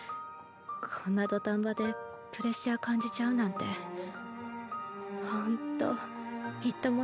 こんな土壇場でプレッシャー感じちゃうなんてほんとみっともない。